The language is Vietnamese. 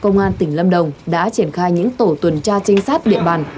công an tỉnh lâm đồng đã triển khai những tổ tuần tra trinh sát địa bàn